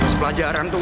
sebelah jarang tuh